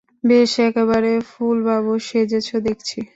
বেশ, একেবারে ফুলবাবু সেজেছ দেখছি।